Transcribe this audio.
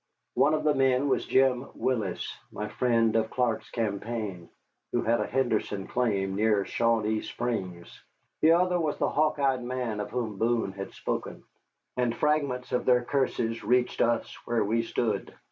One of the men was Jim Willis, my friend of Clark's campaign, who had a Henderson claim near Shawanee Springs. The other was the hawk eyed man of whom Mr. Boone had spoken, and fragments of their curses reached us where we stood.